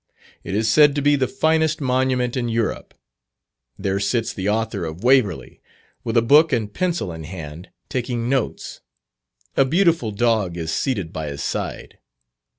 It is said to be the finest monument in Europe. There sits the author of "Waverley," with a book and pencil in hand, taking notes. A beautiful dog is seated by his side.